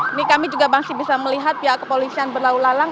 ini kami juga masih bisa melihat pihak kepolisian berlalu lalang